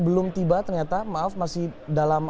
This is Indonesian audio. belum tiba ternyata maaf masih dalam